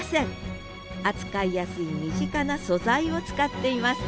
扱いやすい身近な素材を使っています